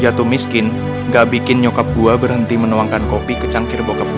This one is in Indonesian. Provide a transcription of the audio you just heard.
jatuh miskin gak bikin nyokap gue berhenti menuangkan kopi ke cangkir bokap gue